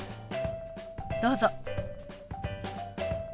どうぞ。